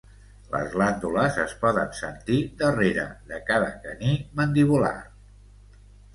Les glàndules es poden sentir darrere de cada caní mandibular.